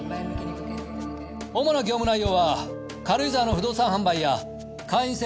主な業務内容は軽井沢の不動産販売や会員制